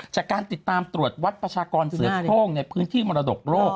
จากการติดตามตรวจวัดประชากรเสือโครงในพื้นที่มรดกโลก